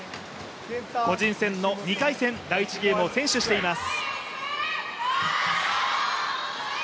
個人戦の２回戦、第１ゲームを先取しています。